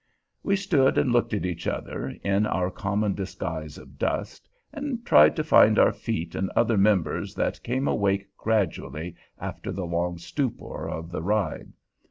We stood and looked at each other, in our common disguise of dust, and tried to find our feet and other members that came awake gradually after the long stupor of the ride.